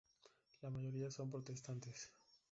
La mayoría son protestantes.